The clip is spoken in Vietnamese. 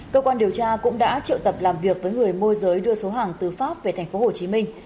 cơ quan điều tra cũng đã triệu tập làm việc với người môi giới đưa số hàng từ pháp về thành phố hồ chí minh